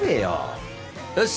よし！